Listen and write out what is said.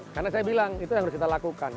karena saya bilang itu yang harus kita lakukan